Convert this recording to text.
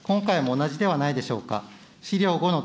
今回も同じではないでしょうか。